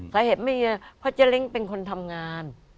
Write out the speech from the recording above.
ใส่เหตุไม่เยอะเพราะเจ๊ลิ้งเป็นคนทำงาน